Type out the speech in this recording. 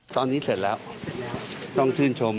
ตอนนี้เสร็จแล้วต้องชื่นชม